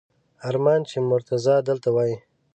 ارمان چې مرتضی دلته وای!